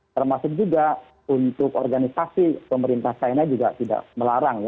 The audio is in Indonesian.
termasuk juga untuk organisasi pemerintah saina juga tidak melarang